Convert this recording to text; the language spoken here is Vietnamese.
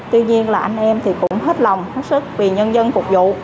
tuy nhiên là anh em thì cũng hết lòng hết sức vì nhân dân phục vụ